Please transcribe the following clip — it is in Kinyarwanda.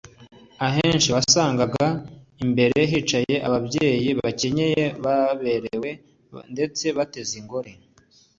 Ahenshi wasangaga imbere hicaye ababyeyi bakenyeye baberewe ndetse bateze ingori